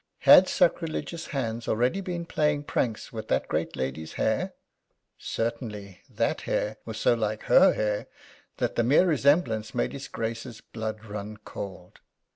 Had sacrilegious hands already been playing pranks with that great lady's hair? Certainly, that hair was so like her hair that the mere resemblance made his Grace's blood run cold.